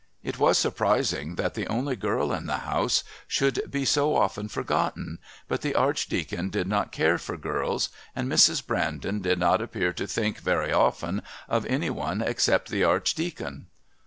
It was surprising that the only girl in the house should be so often forgotten, but the Archdeacon did not care for girls, and Mrs. Brandon did not appear to think very often of any one except the Archdeacon.